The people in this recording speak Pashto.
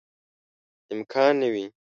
امکان نه وي.